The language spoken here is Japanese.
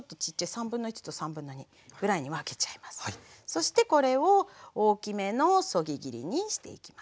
そしてこれを大きめのそぎ切りにしていきますよ。